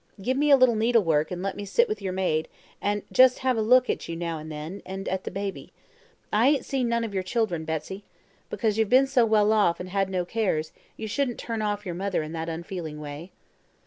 Give me a little needlework, and let me sit with your maid, and just have a look at you now and then, and at the baby. I ain't seen none of your children, Betsy. Because you've been so well off, and had no cares, you shouldn't turn off your mother in that unfeeling way."